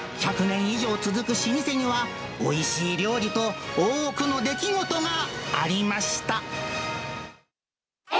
１００年以上続く老舗には、おいしい料理と多くの出来事がありました。